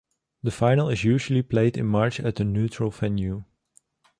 The Final is usually played in March at a neutral venue.